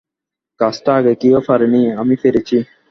কাজটা আগে কেউ পারেনি, আমি পেরেছি।